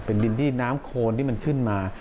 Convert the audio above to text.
เป็นดินที่น้ำโคนที่มันขึ้นมา